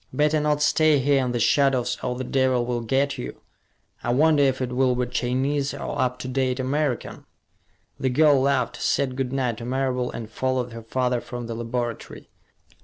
"Better not stay here in the shadows or the devil will get you. I wonder if it will be Chinese or up to date American!" The girl laughed, said good night to Marable, and followed her father from the laboratory.